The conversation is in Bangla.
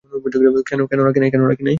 কেন রাখি নাই?